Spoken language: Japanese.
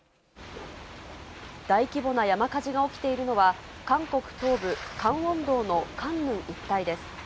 大規模な山火事が起きているのは、韓国東部カンウォン道のカンヌン一帯です。